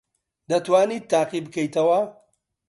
دەتوانیت تاقی بکەیتەوە؟